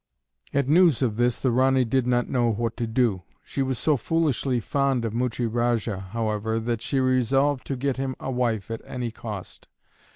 At news of this the Ranee did not know what to do. She was so foolishly fond of Muchie Rajah, however, that she resolved to get him a wife at any cost.